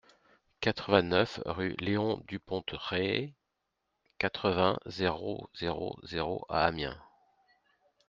quatre-vingt-neuf rue Léon Dupontreué, quatre-vingts, zéro zéro zéro à Amiens